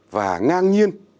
và ngang nhiên